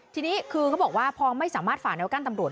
ทีนี้คือเขาบอกว่าพอไม่สามารถฝ่าแววกั้นตำรวจ